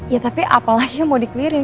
ya tapi apalagi mau di clear in